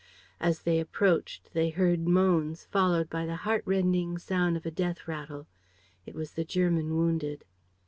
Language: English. As they approached, they heard moans, followed by the heart rending sound of a death rattle. It was the German wounded.